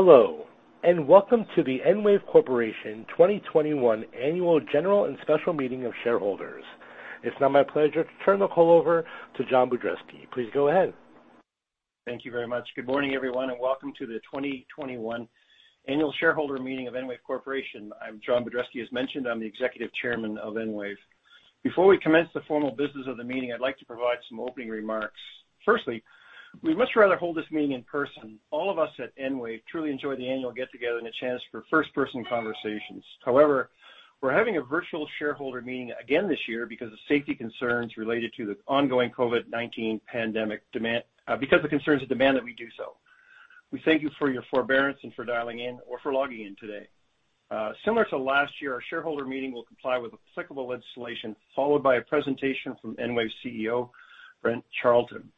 Hello, and welcome to the EnWave Corporation 2021 Annual General and Special Meeting of Shareholders. It's now my pleasure to turn the call over to John Budreski. Please go ahead. Thank you very much. Good morning, everyone, and welcome to the 2021 Annual Shareholder Meeting of EnWave Corporation. I'm John Budreski, as mentioned. I'm the Executive Chairman of EnWave. Before we commence the formal business of the meeting, I'd like to provide some opening remarks. Firstly, we'd much rather hold this meeting in person. All of us at EnWave truly enjoy the annual get-together and a chance for first-person conversations. However, we're having a virtual shareholder meeting again this year because of safety concerns related to the ongoing COVID-19 pandemic, because of the concerns and demand that we do so. We thank you for your forbearance and for dialing in or for logging in today. Similar to last year, our shareholder meeting will comply with applicable legislation, followed by a presentation from EnWave CEO, Brent Charleton.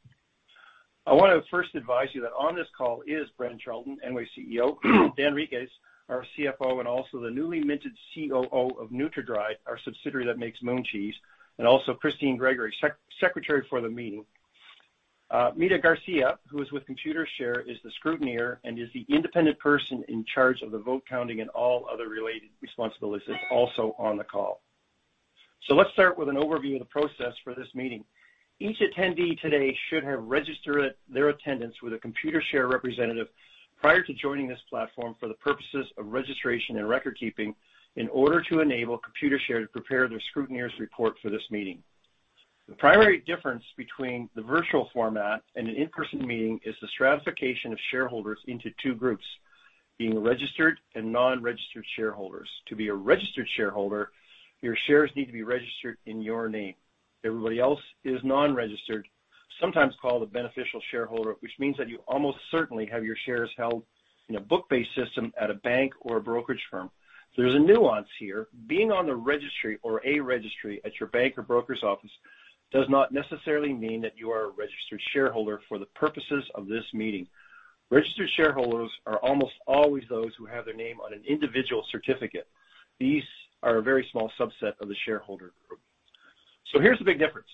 I want to first advise you that on this call is Brent Charleton, EnWave CEO, Dan Henriques, our CFO, and also the newly minted COO of NutraDried, our subsidiary that makes Moon Cheese, and also Christine Gregory, Secretary for the Meeting. Mita Garcia, who is with Computershare, is the scrutineer and is the independent person in charge of the vote counting and all other related responsibilities. It's also on the call. Let's start with an overview of the process for this meeting. Each attendee today should have registered their attendance with a Computershare representative prior to joining this platform for the purposes of registration and record-keeping in order to enable Computershare to prepare their scrutineer's report for this meeting. The primary difference between the virtual format and an in-person meeting is the stratification of shareholders into two groups: being registered and non-registered shareholders. To be a registered shareholder, your shares need to be registered in your name. Everybody else is non-registered, sometimes called a beneficial shareholder, which means that you almost certainly have your shares held in a book-based system at a bank or a brokerage firm. There's a nuance here. Being on the registry or a registry at your bank or broker's office does not necessarily mean that you are a registered shareholder for the purposes of this meeting. Registered shareholders are almost always those who have their name on an individual certificate. These are a very small subset of the shareholder group. So here's the big difference.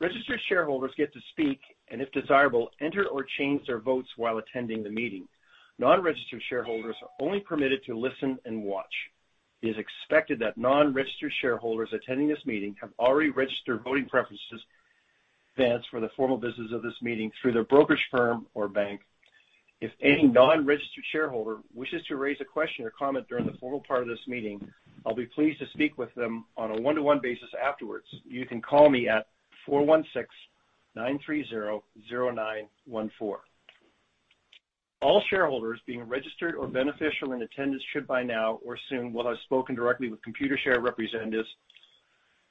Registered shareholders get to speak and, if desirable, enter or change their votes while attending the meeting. Non-registered shareholders are only permitted to listen and watch. It is expected that non-registered shareholders attending this meeting have already registered voting preferences in advance for the formal business of this meeting through their brokerage firm or bank. If any non-registered shareholder wishes to raise a question or comment during the formal part of this meeting, I'll be pleased to speak with them on a one-to-one basis afterwards. You can call me at 416-930-0914. All shareholders being registered or beneficial in attendance should by now or soon will have spoken directly with Computershare representatives.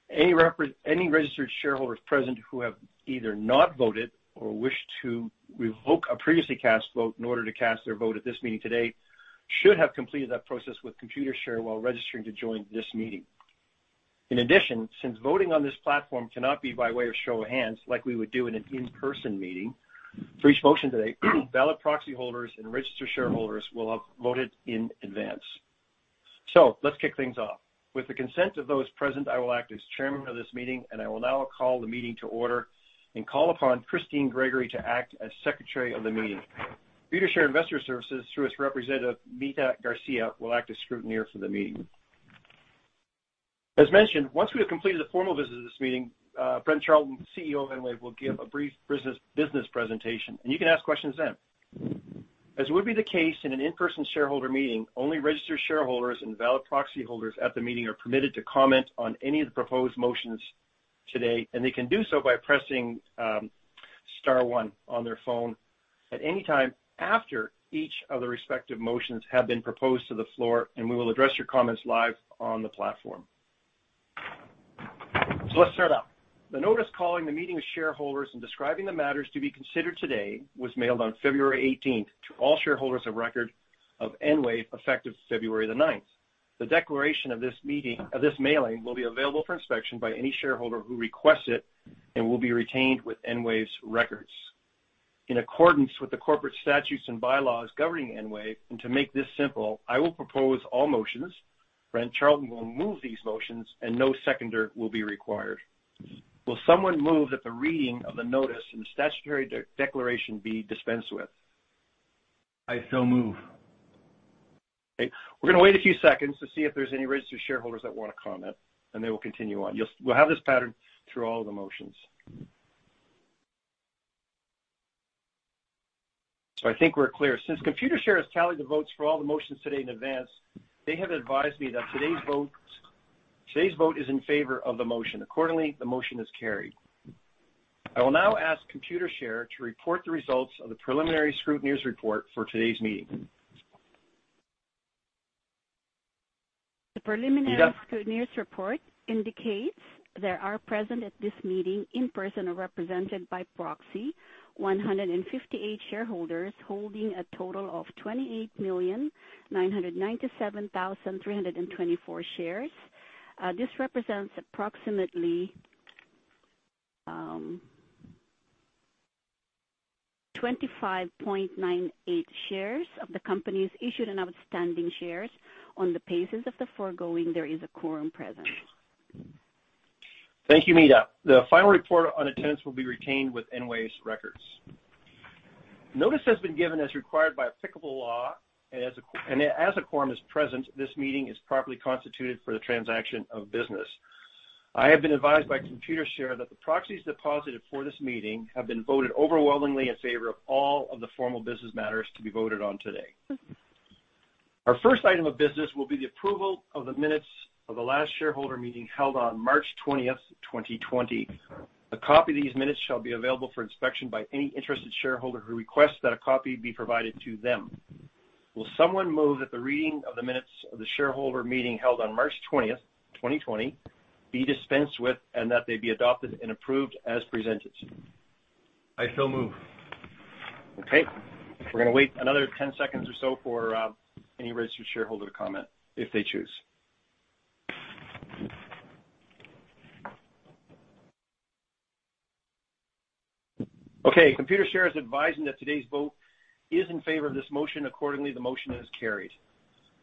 Any registered shareholders present who have either not voted or wish to revoke a previously cast vote in order to cast their vote at this meeting today should have completed that process with Computershare while registering to join this meeting. In addition, since voting on this platform cannot be by way of show of hands like we would do in an in-person meeting, for each motion today, valid proxy holders and registered shareholders will have voted in advance. So let's kick things off. With the consent of those present, I will act as chairman of this meeting, and I will now call the meeting to order and call upon Christine Gregory to act as secretary of the meeting. Computershare Investor Services, through its representative Mita Garcia, will act as scrutineer for the meeting. As mentioned, once we have completed the formal business of this meeting, Brent Charleton, CEO of EnWave, will give a brief business presentation, and you can ask questions then. As would be the case in an in-person shareholder meeting, only registered shareholders and valid proxy holders at the meeting are permitted to comment on any of the proposed motions today, and they can do so by pressing star one on their phone at any time after each of the respective motions have been proposed to the floor, and we will address your comments live on the platform. Let's start out. The notice calling the meeting of shareholders and describing the matters to be considered today was mailed on February 18th to all shareholders of record of EnWave effective February 9th. The declaration of this mailing will be available for inspection by any shareholder who requests it and will be retained with EnWave's records. In accordance with the corporate statutes and bylaws governing EnWave, and to make this simple, I will propose all motions. Brent Charleton will move these motions, and no seconder will be required. Will someone move that the reading of the notice and the statutory declaration be dispensed with? I so move. Okay. We're going to wait a few seconds to see if there's any registered shareholders that want to comment, and they will continue on. We'll have this pattern through all of the motions. So I think we're clear. Since Computershare has tallied the votes for all the motions today in advance, they have advised me that today's vote is in favor of the motion. Accordingly, the motion is carried. I will now ask Computershare to report the results of the preliminary scrutineer's report for today's meeting. The preliminary scrutineer's report indicates there are present at this meeting in person or represented by proxy 158 shareholders holding a total of 28,997,324 shares. This represents approximately 25.98% of the company's issued and outstanding shares. On the basis of the foregoing, there is a quorum present. Thank you, Mita. The final report on attendance will be retained with EnWave's records. Notice has been given as required by applicable law, and as a quorum is present, this meeting is properly constituted for the transaction of business. I have been advised by Computershare that the proxies deposited for this meeting have been voted overwhelmingly in favor of all of the formal business matters to be voted on today. Our first item of business will be the approval of the minutes of the last shareholder meeting held on March 20th, 2020. A copy of these minutes shall be available for inspection by any interested shareholder who requests that a copy be provided to them. Will someone move that the reading of the minutes of the shareholder meeting held on March 20th, 2020, be dispensed with and that they be adopted and approved as presented? I so move. Okay. We're going to wait another 10 seconds or so for any registered shareholder to comment if they choose. Okay. Computershare is advising that today's vote is in favor of this motion. Accordingly, the motion is carried.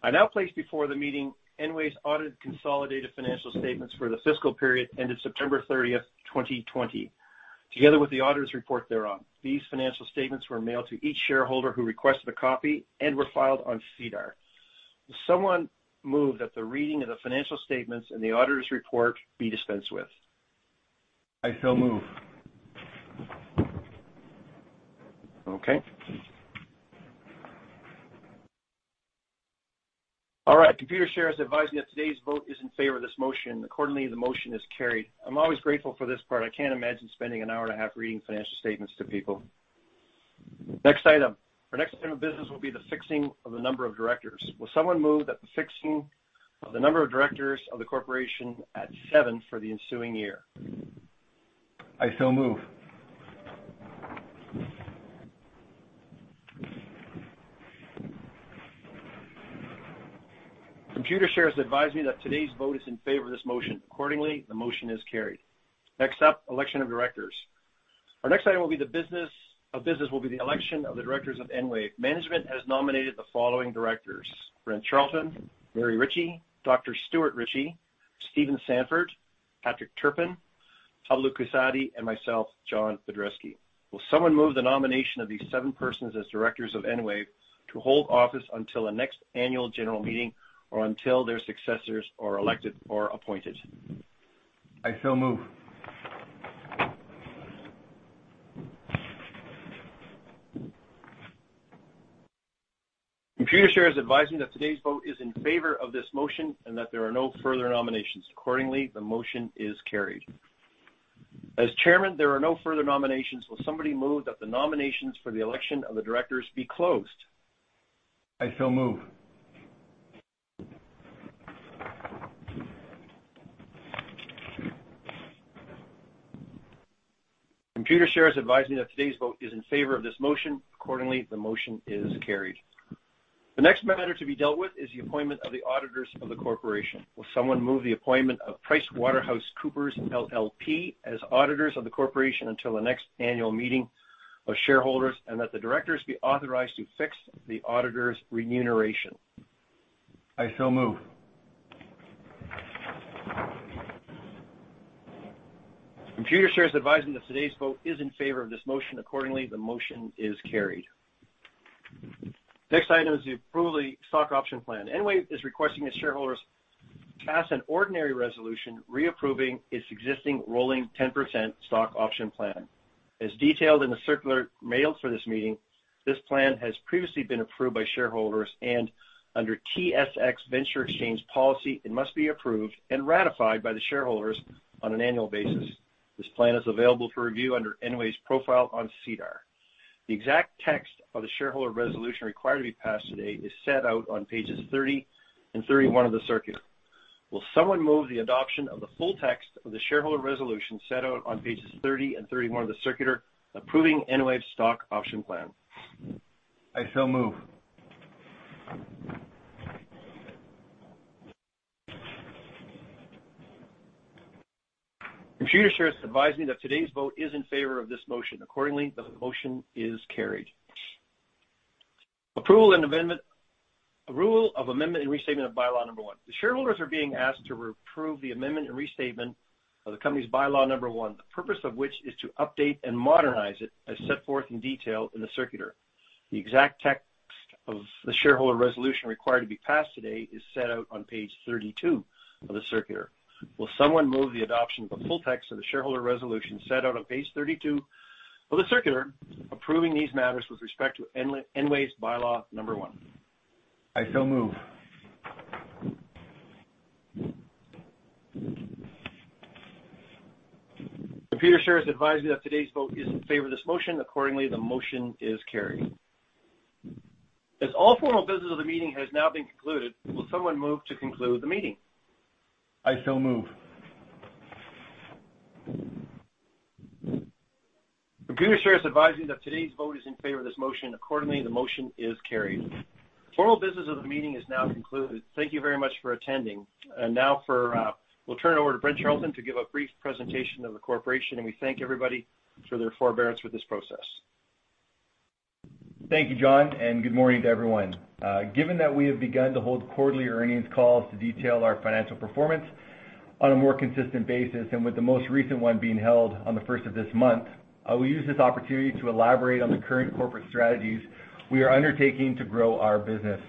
I now place before the meeting EnWave's audited consolidated financial statements for the fiscal period ended September 30th, 2020, together with the auditor's report thereof. These financial statements were mailed to each shareholder who requested a copy and were filed on SEDAR. Will someone move that the reading of the financial statements and the auditor's report be dispensed with? I so move. Okay. All right. Computershare is advising that today's vote is in favor of this motion. Accordingly, the motion is carried. I'm always grateful for this part. I can't imagine spending an hour and a half reading financial statements to people. Next item. Our next item of business will be the fixing of the number of directors. Will someone move that the fixing of the number of directors of the corporation at seven for the ensuing year? I so move. Computershare is advising that today's vote is in favor of this motion. Accordingly, the motion is carried. Next up, election of directors. Our next item will be the business will be the election of the directors of EnWave. Management has nominated the following directors: Brent Charleton, Mary Ritchie, Dr. Stuart Ritchie, Stephen Sanford, Patrick Turpin, Pablo Cussatti, and myself, John Budreski. Will someone move the nomination of these seven persons as directors of EnWave to hold office until the next annual general meeting or until their successors are elected or appointed? I so move. Computershare is advising that today's vote is in favor of this motion and that there are no further nominations. Accordingly, the motion is carried. As chairman, there are no further nominations. Will somebody move that the nominations for the election of the directors be closed? I so move. Computershare is advising that today's vote is in favor of this motion. Accordingly, the motion is carried. The next matter to be dealt with is the appointment of the auditors of the corporation. Will someone move the appointment of PricewaterhouseCoopers LLP, as auditors of the corporation until the next annual meeting of shareholders and that the directors be authorized to fix the auditors' remuneration? I so move. Computershare is advising that today's vote is in favor of this motion. Accordingly, the motion is carried. Next item is the approved stock option plan. EnWave is requesting its shareholders pass an ordinary resolution reapproving its existing rolling 10% stock option plan. As detailed in the circular mailed for this meeting, this plan has previously been approved by shareholders and under TSX Venture Exchange policy, it must be approved and ratified by the shareholders on an annual basis. This plan is available for review under EnWave's profile on SEDAR. The exact text of the shareholder resolution required to be passed today is set out on pages 30 and 31 of the circular. Will someone move the adoption of the full text of the shareholder resolution set out on pages 30 and 31 of the circular approving EnWave's stock option plan? I so move. Computershare is advising that today's vote is in favor of this motion. Accordingly, the motion is carried. Approval of amendment and restatement of Bylaw Number One. The shareholders are being asked to approve the amendment and restatement of the company's Bylaw Number One, the purpose of which is to update and modernize it as set forth in detail in the circular. The exact text of the shareholder resolution required to be passed today is set out on page 32 of the circular. Will someone move the adoption of the full text of the shareholder resolution set out on page 32 of the circular approving these matters with respect to EnWave's Bylaw Number One? I so move. Computershare is advising that today's vote is in favor of this motion. Accordingly, the motion is carried. As all formal business of the meeting has now been concluded, will someone move to conclude the meeting? I so move. Computershare is advising that today's vote is in favor of this motion. Accordingly, the motion is carried. Formal business of the meeting is now concluded. Thank you very much for attending. Now we'll turn it over to Brent Charleton to give a brief presentation of the corporation, and we thank everybody for their forbearance with this process. Thank you, John, and good morning to everyone. Given that we have begun to hold quarterly earnings calls to detail our financial performance on a more consistent basis, and with the most recent one being held on the 1st of this month, I will use this opportunity to elaborate on the current corporate strategies we are undertaking to grow our business.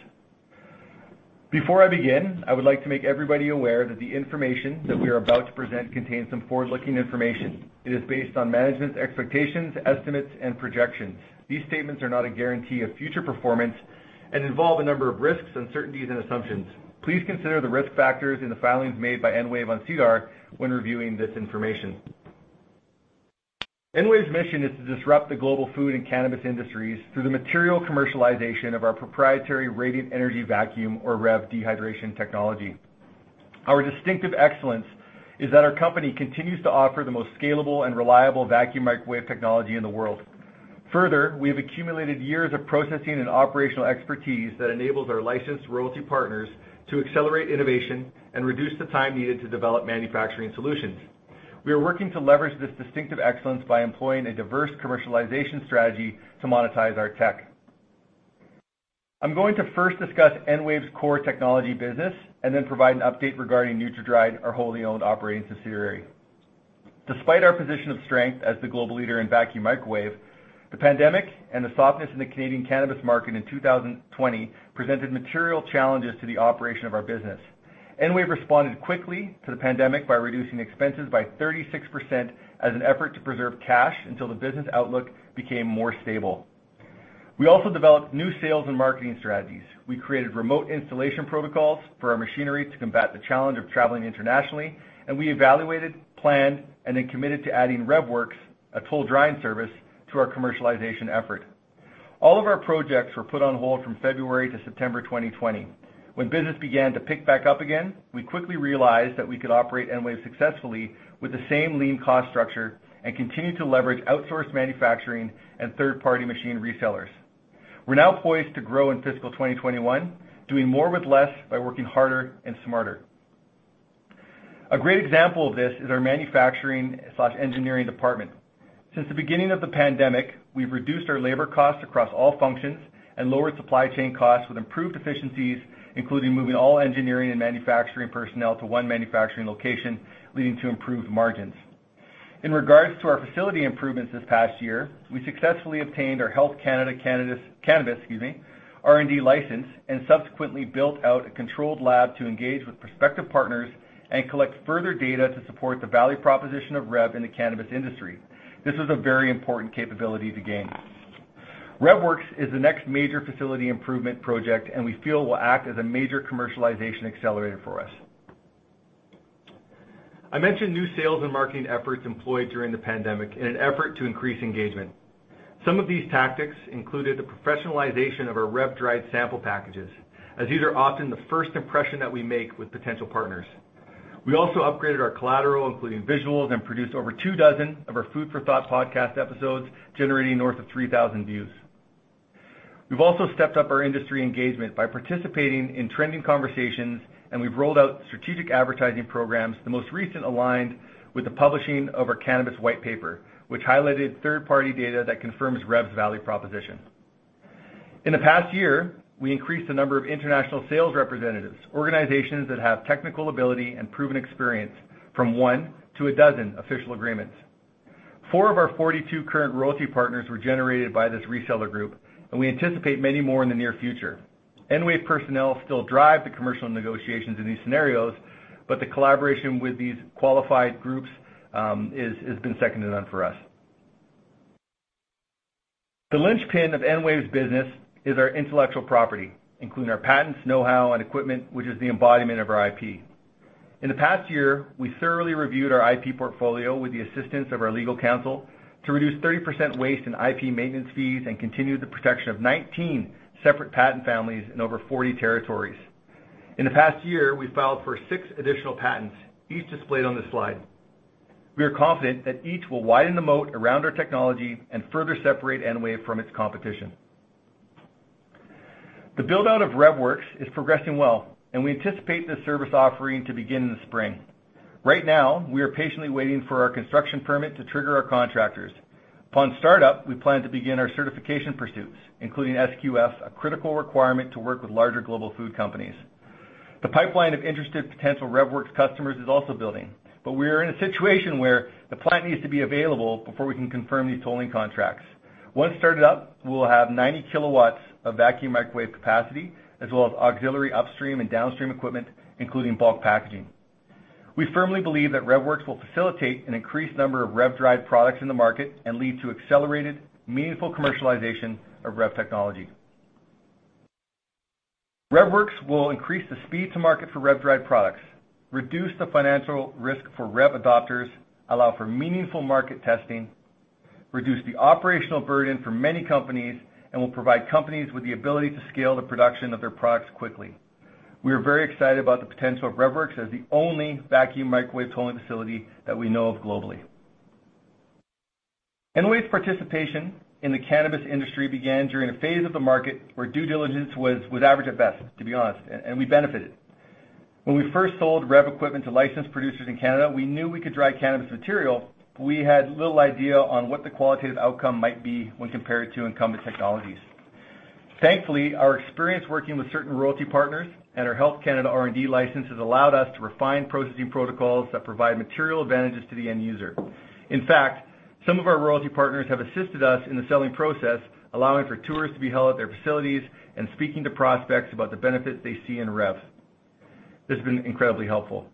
Before I begin, I would like to make everybody aware that the information that we are about to present contains some forward-looking information. It is based on management's expectations, estimates, and projections. These statements are not a guarantee of future performance and involve a number of risks, uncertainties, and assumptions. Please consider the risk factors in the filings made by EnWave on SEDAR when reviewing this information. EnWave's mission is to disrupt the global food and cannabis industries through the material commercialization of our proprietary radiant energy vacuum, or REV, dehydration technology. Our distinctive excellence is that our company continues to offer the most scalable and reliable vacuum microwave technology in the world. Further, we have accumulated years of processing and operational expertise that enables our licensed royalty partners to accelerate innovation and reduce the time needed to develop manufacturing solutions. We are working to leverage this distinctive excellence by employing a diverse commercialization strategy to monetize our tech. I'm going to first discuss EnWave's core technology business and then provide an update regarding NutraDried, our wholly owned operating subsidiary. Despite our position of strength as the global leader in vacuum microwave, the pandemic and the softness in the Canadian cannabis market in 2020 presented material challenges to the operation of our business. EnWave responded quickly to the pandemic by reducing expenses by 36% as an effort to preserve cash until the business outlook became more stable. We also developed new sales and marketing strategies. We created remote installation protocols for our machinery to combat the challenge of traveling internationally, and we evaluated, planned, and then committed to adding REVworx, a toll drying service, to our commercialization effort. All of our projects were put on hold from February to September 2020. When business began to pick back up again, we quickly realized that we could operate EnWave successfully with the same lean cost structure and continue to leverage outsourced manufacturing and third-party machine resellers. We're now poised to grow in fiscal 2021, doing more with less by working harder and smarter. A great example of this is our manufacturing/engineering department. Since the beginning of the pandemic, we've reduced our labor costs across all functions and lowered supply chain costs with improved efficiencies, including moving all engineering and manufacturing personnel to one manufacturing location, leading to improved margins. In regards to our facility improvements this past year, we successfully obtained our Health Canada cannabis R&D license and subsequently built out a controlled lab to engage with prospective partners and collect further data to support the value proposition of REV in the cannabis industry. This was a very important capability to gain. REVworx is the next major facility improvement project, and we feel will act as a major commercialization accelerator for us. I mentioned new sales and marketing efforts employed during the pandemic in an effort to increase engagement. Some of these tactics included the professionalization of our REV-dried sample packages, as these are often the first impression that we make with potential partners. We also upgraded our collateral, including visuals, and produced over 24 of our Food for Thought podcast episodes, generating north of 3,000 views. We've also stepped up our industry engagement by participating in trending conversations, and we've rolled out strategic advertising programs, the most recent aligned with the publishing of our cannabis white paper, which highlighted third-party data that confirms REV's value proposition. In the past year, we increased the number of international sales representatives, organizations that have technical ability and proven experience, from one to 12 official agreements. four of our 42 current royalty partners were generated by this reseller group, and we anticipate many more in the near future. EnWave personnel still drive the commercial negotiations in these scenarios, but the collaboration with these qualified groups has been second to none for us. The linchpin of EnWave's business is our intellectual property, including our patents, know-how, and equipment, which is the embodiment of our IP. In the past year, we thoroughly reviewed our IP portfolio with the assistance of our legal counsel to reduce 30% waste in IP maintenance fees and continue the protection of 19 separate patent families in over 40 territories. In the past year, we filed for six additional patents, each displayed on this slide. We are confident that each will widen the moat around our technology and further separate EnWave from its competition. The build-out of REVworx is progressing well, and we anticipate this service offering to begin in the spring. Right now, we are patiently waiting for our construction permit to trigger our contractors. Upon startup, we plan to begin our certification pursuits, including SQF, a critical requirement to work with larger global food companies. The pipeline of interested potential REVworx customers is also building, but we are in a situation where the plant needs to be available before we can confirm these tolling contracts. Once started up, we will have 90 kW of vacuum microwave capacity, as well as auxiliary upstream and downstream equipment, including bulk packaging. We firmly believe that REVworx will facilitate an increased number of REV-dried products in the market and lead to accelerated, meaningful commercialization of REV technology. REVworx will increase the speed to market for REV-dried products, reduce the financial risk for REV adopters, allow for meaningful market testing, reduce the operational burden for many companies, and will provide companies with the ability to scale the production of their products quickly. We are very excited about the potential of REVworx as the only vacuum microwave tolling facility that we know of globally. EnWave's participation in the cannabis industry began during a phase of the market where due diligence was average at best, to be honest, and we benefited. When we first sold REV equipment to licensed producers in Canada, we knew we could dry cannabis material, but we had little idea on what the qualitative outcome might be when compared to incumbent technologies. Thankfully, our experience working with certain royalty partners and our Health Canada R&D license has allowed us to refine processing protocols that provide material advantages to the end user. In fact, some of our royalty partners have assisted us in the selling process, allowing for tours to be held at their facilities and speaking to prospects about the benefits they see in REV. This has been incredibly helpful.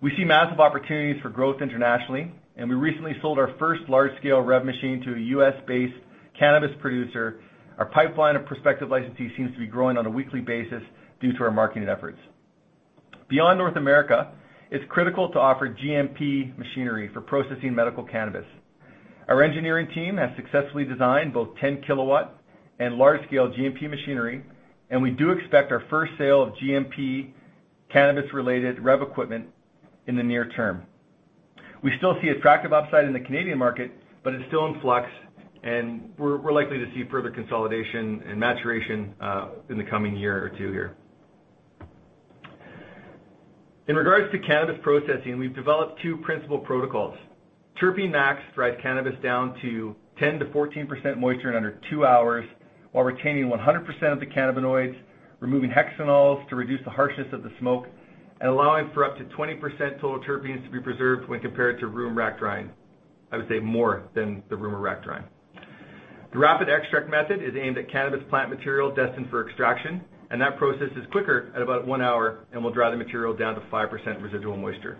We see massive opportunities for growth internationally, and we recently sold our first large-scale REV machine to a U.S.-based cannabis producer. Our pipeline of prospective licensees seems to be growing on a weekly basis due to our marketing efforts. Beyond North America, it's critical to offer GMP machinery for processing medical cannabis. Our engineering team has successfully designed both 10-kilowatt and large-scale GMP machinery, and we do expect our first sale of GMP cannabis-related REV equipment in the near term. We still see attractive upside in the Canadian market, but it's still in flux, and we're likely to see further consolidation and maturation in the coming year or two here. In regards to cannabis processing, we've developed two principal protocols. Terpene Max dries cannabis down to 10%-14% moisture in under two hours while retaining 100% of the cannabinoids, removing hexanols to reduce the harshness of the smoke, and allowing for up to 20% total terpenes to be preserved when compared to room rack drying. I would say more than the room or rack drying. The Rapid Extract method is aimed at cannabis plant material destined for extraction, and that process is quicker at about one hour and will dry the material down to 5% residual moisture.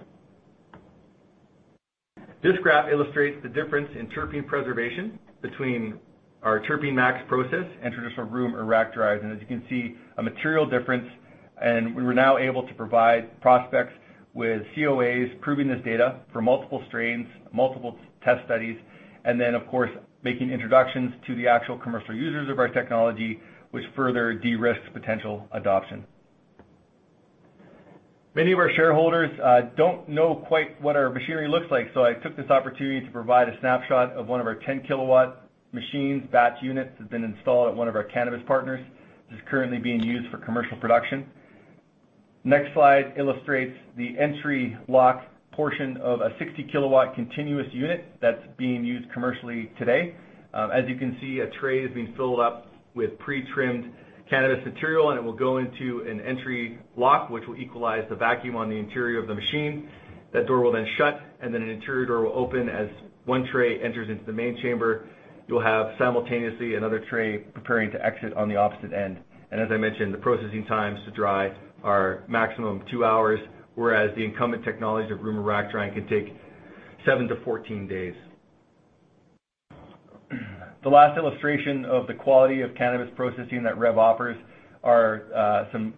This graph illustrates the difference in terpene preservation between our Terpene Max process and traditional room or rack drying. As you can see, a material difference, and we were now able to provide prospects with COAs proving this data for multiple strains, multiple test studies, and then, of course, making introductions to the actual commercial users of our technology, which further de-risked potential adoption. Many of our shareholders don't know quite what our machinery looks like, so I took this opportunity to provide a snapshot of one of our 10 kW machines batch units that have been installed at one of our cannabis partners. This is currently being used for commercial production. Next slide illustrates the entry lock portion of a 60 kW continuous unit that's being used commercially today. As you can see, a tray is being filled up with pre-trimmed cannabis material, and it will go into an entry lock, which will equalize the vacuum on the interior of the machine. That door will then shut, and then an interior door will open as one tray enters into the main chamber. You'll have simultaneously another tray preparing to exit on the opposite end. And as I mentioned, the processing times to dry are maximum two hours, whereas the incumbent technology of room or rack drying can take seven-14 days. The last illustration of the quality of cannabis processing that REV offers are some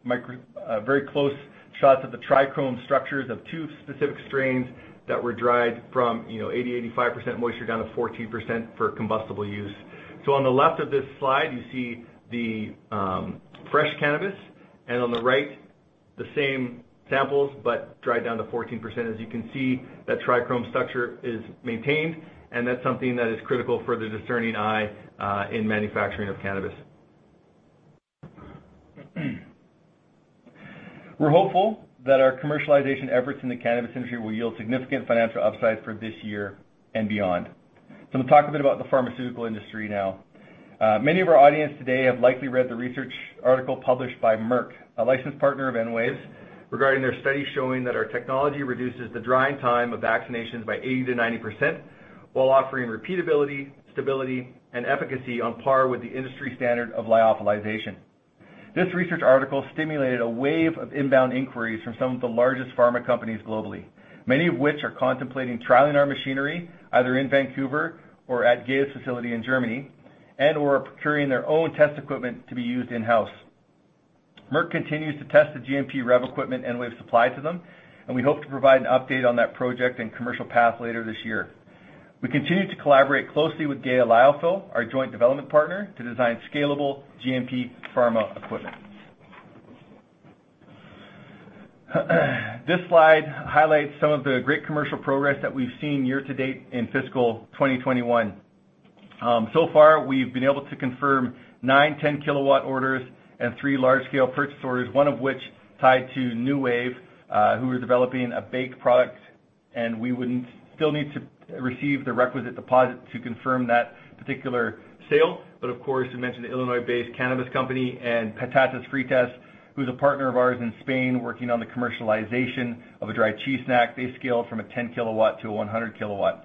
very close shots of the trichome structures of two specific strains that were dried from 80%-85% moisture down to 14% for combustible use. So on the left of this slide, you see the fresh cannabis, and on the right, the same samples, but dried down to 14%. As you can see, that trichome structure is maintained, and that's something that is critical for the discerning eye in manufacturing of cannabis. We're hopeful that our commercialization efforts in the cannabis industry will yield significant financial upside for this year and beyond. So I'm going to talk a bit about the pharmaceutical industry now. Many of our audience today have likely read the research article published by Merck, a licensed partner of EnWave, regarding their study showing that our technology reduces the drying time of vaccinations by 80%-90% while offering repeatability, stability, and efficacy on par with the industry standard of lyophilization. This research article stimulated a wave of inbound inquiries from some of the largest pharma companies globally, many of which are contemplating trialing our machinery either in Vancouver or at GEA's facility in Germany and/or procuring their own test equipment to be used in-house. Merck continues to test the GMP REV equipment EnWave supplied to them, and we hope to provide an update on that project and commercial path later this year. We continue to collaborate closely with GEA Lyophil, our joint development partner, to design scalable GMP pharma equipment. This slide highlights some of the great commercial progress that we've seen year to date in fiscal 2021. So far, we've been able to confirm nine 10 kW orders and three large-scale purchase orders, one of which tied to NuWave, who are developing a bake product, and we would still need to receive the requisite deposit to confirm that particular sale. But of course, we mentioned the Illinois-based cannabis company and Patatas Fritas, who's a partner of ours in Spain working on the commercialization of a dry cheese snack. They scaled from a 10 kW to a 100 kW.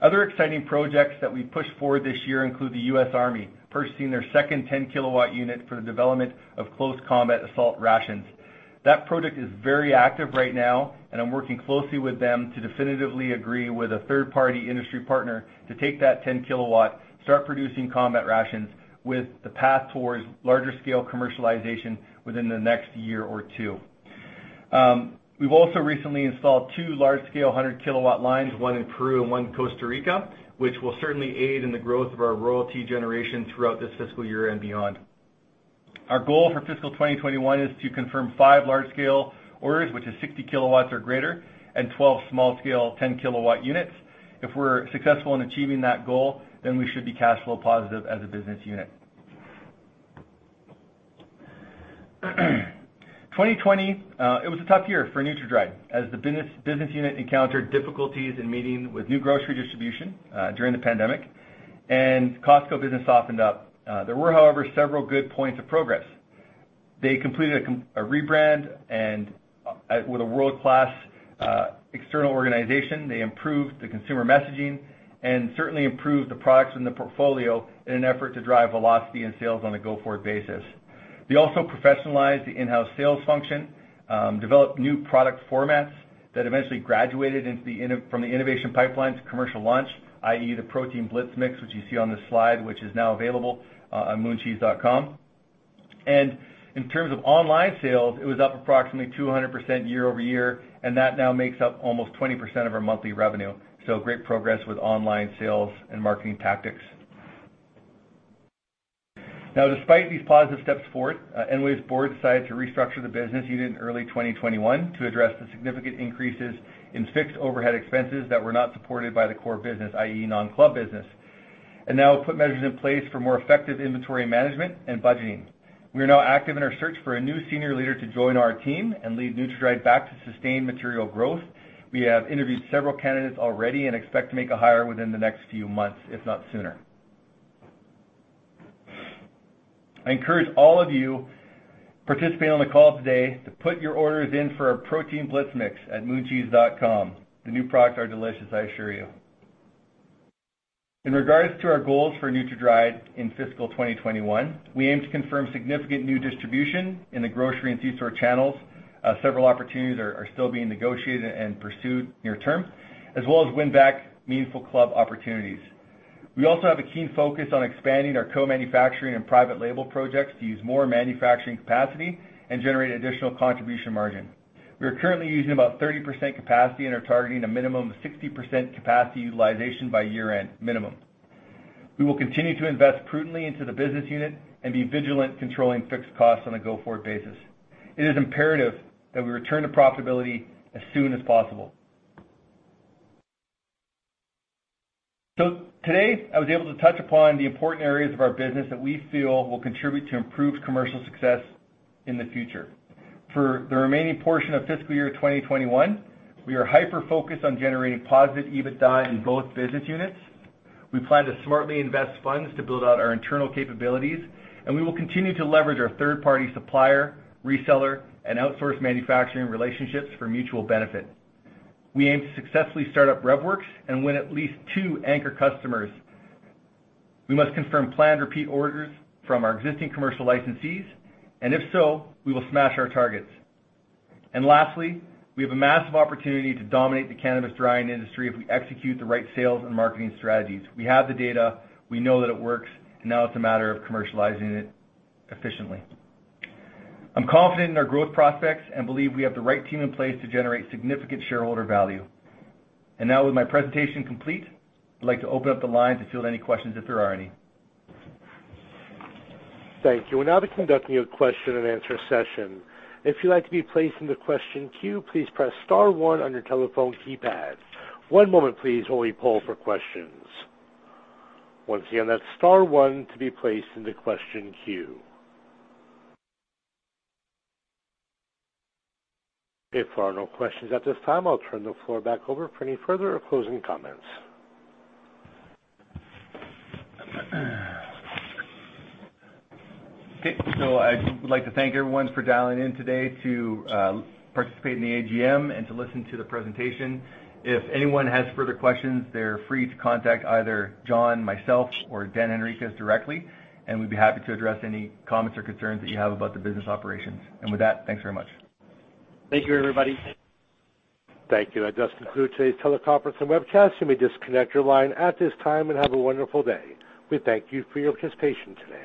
Other exciting projects that we pushed forward this year include the U.S. Army purchasing their second 10 kW unit for the development of Close Combat Assault Rations. That project is very active right now, and I'm working closely with them to definitively agree with a third-party industry partner to take that 10 kW, start producing combat rations with the path towards larger-scale commercialization within the next year or two. We've also recently installed two large-scale 100 kW lines, one in Peru and one in Costa Rica, which will certainly aid in the growth of our royalty generation throughout this fiscal year and beyond. Our goal for fiscal 2021 is to confirm five large-scale orders, which is 60 kW or greater, and 12 small-scale 10 kW units. If we're successful in achieving that goal, then we should be cash flow positive as a business unit. 2020, it was a tough year for NutraDried as the business unit encountered difficulties in meeting with new grocery distribution during the pandemic, and Costco business softened up. There were, however, several good points of progress. They completed a rebrand with a world-class external organization. They improved the consumer messaging and certainly improved the products in the portfolio in an effort to drive velocity and sales on a go-forward basis. They also professionalized the in-house sales function, developed new product formats that eventually graduated from the innovation pipeline to commercial launch, i.e., the Protein blitz mix, which you see on this slide, which is now available on mooncheese.com. And in terms of online sales, it was up approximately 200% year-over-year, and that now makes up almost 20% of our monthly revenue. Great progress with online sales and marketing tactics. Now, despite these positive steps forward, EnWave's board decided to restructure the business unit in early 2021 to address the significant increases in fixed overhead expenses that were not supported by the core business, i.e., non-club business, and now put measures in place for more effective inventory management and budgeting. We are now active in our search for a new senior leader to join our team and lead NutraDried back to sustained material growth. We have interviewed several candidates already and expect to make a hire within the next few months, if not sooner. I encourage all of you participating on the call today to put your orders in for a protein blitz mix at mooncheese.com. The new products are delicious, I assure you. In regards to our goals for NutraDried in fiscal 2021, we aim to confirm significant new distribution in the grocery and C-store channels. Several opportunities are still being negotiated and pursued near-term, as well as win back meaningful club opportunities. We also have a keen focus on expanding our co-manufacturing and private label projects to use more manufacturing capacity and generate additional contribution margin. We are currently using about 30% capacity and are targeting a minimum of 60% capacity utilization by year-end minimum. We will continue to invest prudently into the business unit and be vigilant controlling fixed costs on a go-forward basis. It is imperative that we return to profitability as soon as possible. So today, I was able to touch upon the important areas of our business that we feel will contribute to improved commercial success in the future. For the remaining portion of fiscal year 2021, we are hyper-focused on generating positive EBITDA in both business units. We plan to smartly invest funds to build out our internal capabilities, and we will continue to leverage our third-party supplier, reseller, and outsource manufacturing relationships for mutual benefit. We aim to successfully start up REVworx and win at least two anchor customers. We must confirm planned repeat orders from our existing commercial licensees, and if so, we will smash our targets. Lastly, we have a massive opportunity to dominate the cannabis drying industry if we execute the right sales and marketing strategies. We have the data. We know that it works, and now it's a matter of commercializing it efficiently. I'm confident in our growth prospects and believe we have the right team in place to generate significant shareholder value. Now, with my presentation complete, I'd like to open up the line to field any questions if there are any. Thank you. We're now conducting a question and answer session. If you'd like to be placed in the question queue, please press star one on your telephone keypad. One moment, please, while we pull for questions. Once again, that's star one to be placed in the question queue. If there are no questions at this time, I'll turn the floor back over for any further or closing comments. Okay. So I'd like to thank everyone for dialing in today to participate in the AGM and to listen to the presentation. If anyone has further questions, they're free to contact either John, myself, or Dan Henriques directly, and we'd be happy to address any comments or concerns that you have about the business operations. And with that, thanks very much. Thank you, everybody. Thank you. That does conclude today's teleconference and webcast. You may disconnect your line at this time and have a wonderful day. We thank you for your participation today.